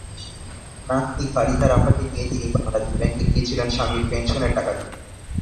নাতনি ফারিহা রাফাকে নিয়ে তিনি বাংলাদেশ ব্যাংকে গিয়েছিলেন স্বামীর পেনশনের টাকা তুলতে।